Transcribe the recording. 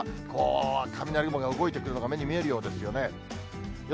雷雲が動いてくるのが目に見えるようですよね。